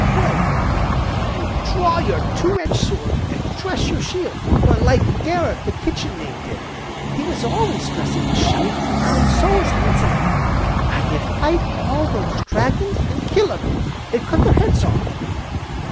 Well then, you'd draw your two edged sword, an' dress your shield, like Gareth, the Kitchen Knave did, he was always dressing his shield, an' so was Lancelot, an' you'd fight all those dragons, an' kill them, an' cut their heads off."